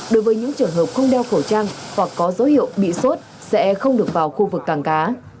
đối với những trường hợp không đeo khẩu trang hoặc có dấu hiệu bị sốt sẽ không được vào khu vực cảng cá